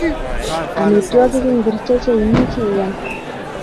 Amitwogik ingircho che imuchi iam